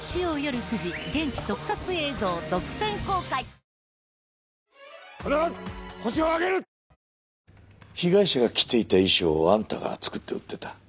アサヒの緑茶「颯」被害者が着ていた衣装をあんたが作って売ってた。